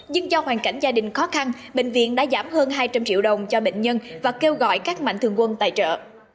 nhưng do hoàn cảnh gia đình khó khăn bệnh viện đã giảm hơn hai trăm linh triệu đồng cho bệnh nhân và kêu gọi các mạnh thường quân tài trợ